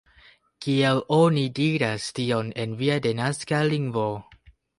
Kiel oni diras tion en via denaska lingvo?